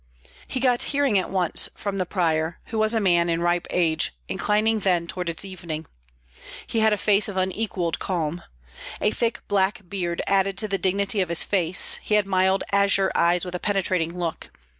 He got hearing at once from the prior, who was a man in ripe age, inclining then toward its evening. He had a face of unequalled calm. A thick black beard added to the dignity of his face; he had mild azure eyes with a penetrating look.